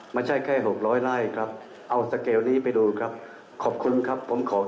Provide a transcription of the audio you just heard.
ไม่ใช่แค่หกร้อยไร่ครับ